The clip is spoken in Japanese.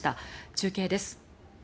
中継です。